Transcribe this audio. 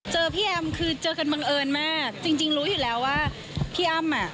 พี่แอมคือเจอกันบังเอิญมากจริงจริงรู้อยู่แล้วว่าพี่อ้ำอ่ะ